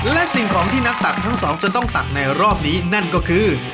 และสิ่งของที่นักตักทั้งสองจะต้องตักในรอบนี้นั่นก็คือ